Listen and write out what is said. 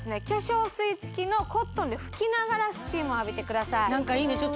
化粧水つきのコットンで拭きながらスチームを浴びてくださいいいね